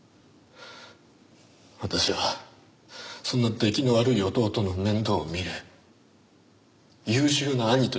私はそんな出来の悪い弟の面倒を見る優秀な兄という役割だった。